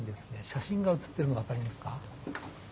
写真がうつってるのが分かりますか？